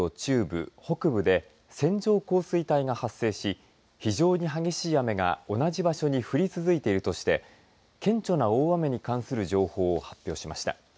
気象庁は、きょう午前１時山口県の西部と中部北部で線状降水帯が発生し非常に激しい雨が同じ場所に降り続いているとして顕著な大雨に関する情報を発表しました。